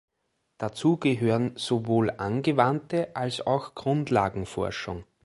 Dazu gehören sowohl angewandte als auch Grundlagenforschung.